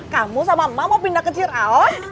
kamu sama ma mau pindah ke ciraos